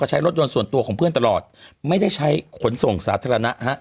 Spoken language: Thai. ใช้รถยนต์ส่วนตัวของเพื่อนตลอดไม่ได้ใช้ขนส่งสาธารณะฮะ